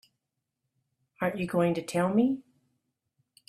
Aren't you going to tell me?